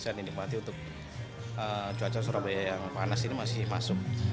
tapi ini diperhatikan untuk cuaca surabaya yang panas ini masih masuk